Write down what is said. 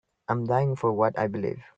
I'm dying for what I believe.